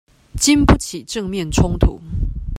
禁不起正面衝突